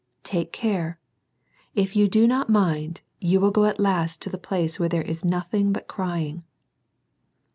Take care. If you do not mind, you will go at last to the place where there is nothing but " crying."